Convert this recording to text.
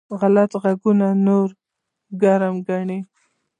غلط غږېږي؛ نور ګرم ګڼي.